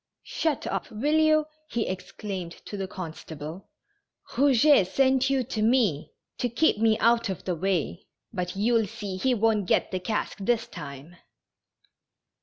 " Shut up, will you !" he exclaimed to the constable. Kouget sent you to me to keep me out of the way, but you^ll see he won't get the cask this time."